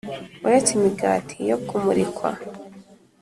Uretse Imigati Yo Kumurikwa